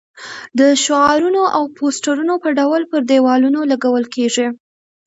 د شعارونو او پوسټرونو په ډول پر دېوالونو لګول کېږي.